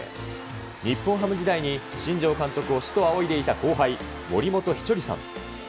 日本ハム時代に新庄監督を師と仰いでいた後輩、森本稀哲さん。